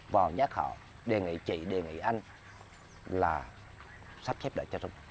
và nhắc họ đề nghị chị đề nghị anh là sắp xếp đợi cho rút